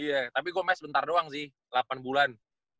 iya tapi gue match bentar doang sih lapan bulan